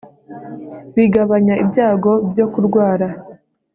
bigabanya ibyago byo kurwara